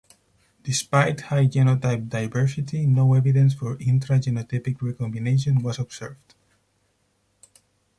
Despite high genotype diversity no evidence for intra-genotypic recombination was observed.